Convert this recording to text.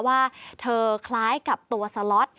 ว่าเธอคล้ายกับตัวสล็อต